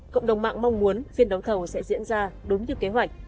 cộng đồng mạng mong muốn phiên đấu thầu sẽ diễn ra đúng như kế hoạch